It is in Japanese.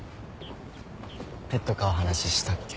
ペット飼う話したっけ？